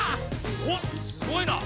おっすごいな！